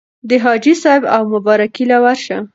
د حاجي صېب اومبارکۍ له ورشه